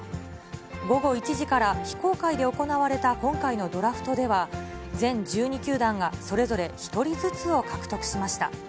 午後１時から非公開で行われた今回のドラフトでは、ぜん１２きゅうだんがそれぞれ１人ずつを獲得しました。